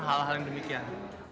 hal hal yang demikian